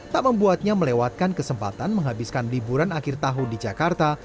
tak membuatnya melewatkan kesempatan menghabiskan liburan akhir tahun di jakarta